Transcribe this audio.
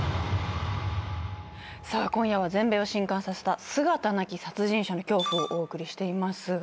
さあ今夜は全米を震撼させた姿なき殺人者の恐怖をお送りしています。